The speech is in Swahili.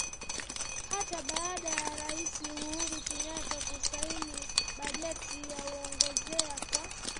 Hata baada ya Raisi Uhuru Kenyatta kusaini bajeti ya nyongeza kwa